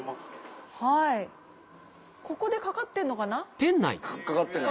ここでかかってんのかな？